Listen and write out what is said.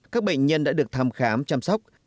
các bệnh nhân đã được thăm khám chăm sóc